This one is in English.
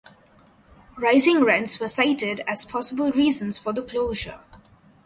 Rising rents were cited as possible reasons for the closure.